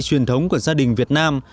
truyền thống của gia đình việt nam